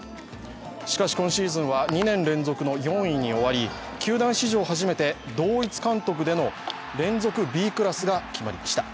しかし今シーズンは２年連続の４位に終わり球団史上初めて同一監督での連続Ｂクラスが決まりました。